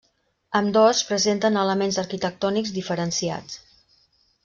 Ambdós presenten elements arquitectònics diferenciats.